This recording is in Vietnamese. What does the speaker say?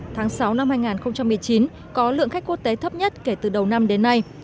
tháng sáu năm hai nghìn một mươi chín có lượng khách quốc tế thấp nhất kể từ đầu năm đến nay